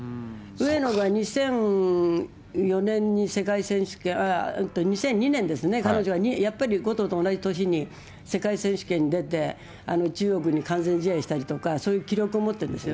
上野が２００４年に世界選手権、うんと、２００２年ですね、彼女がやっぱり後藤と同じ年に世界選手権に出て、中国に完全試合したりとか、そういう記録を持ってるんですよ。